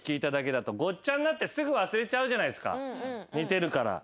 似てるから。